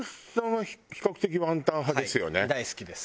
大好きです。